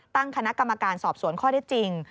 ตั้งคณะกรรมการสอบสวนข้อได้จริง